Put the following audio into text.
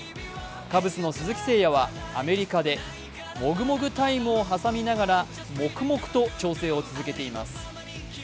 カブスの鈴木誠也はアメリカでモグモグタイムを挟みながら黙々と調整を続けています。